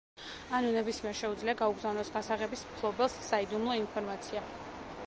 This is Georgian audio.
ანუ ნებისმიერს შეუძლია გაუგზავნოს გასაღების მფლობელს საიდუმლო ინფორმაცია.